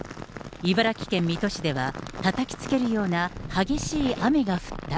茨城県水戸市ではたたきつけるような激しい雨が降った。